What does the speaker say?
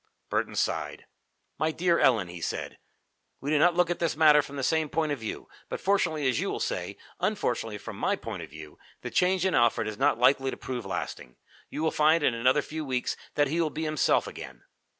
Burton sighed. "My dear Ellen," he said, "we do not look at this matter from the same point of view, but fortunately as you will say, unfortunately from my point of view, the change in Alfred is not likely to prove lasting. You will find in another few weeks that he will be himself again."